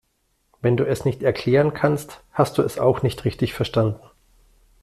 Wenn du es nicht erklären kannst, hast du es auch nicht richtig verstanden.